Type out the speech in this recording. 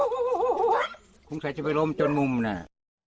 คุณผู้ชายจะไปรวมจนมุมแน่